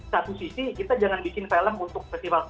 satu sisi kita jangan bikin film untuk festival